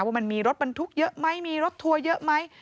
ว่ามันมีรถบรรทุกเยอะไหมมีรถทัวร์เยอะไหม